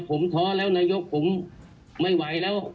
ผมท้อแล้วนายกผมไม่ไหวแล้ว